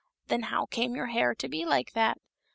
" Then how came your hair to be like that